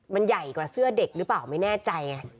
มันใหญ่กว่าเสื้อเด็กหรือเปล่าไม่แน่ใจไง